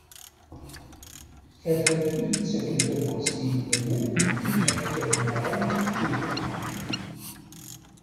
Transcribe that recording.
Tafat i yettakken tabɣest i yimdanen akken ad nnaɣen d tudert.